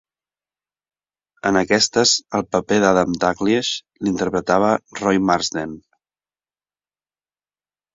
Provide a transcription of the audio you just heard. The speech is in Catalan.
En aquestes el paper d'Adam Dalgliesh l'interpretava Roy Marsden.